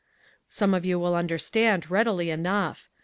Some of you will understand readily enough.